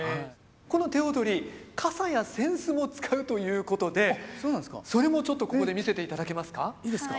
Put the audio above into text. この手踊り傘や扇子も使うということでそれもちょっとここで見せていただけますか？